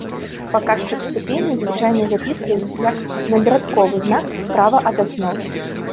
Паказчык ступені звычайна запісваюць як надрадковы знак справа ад асновы.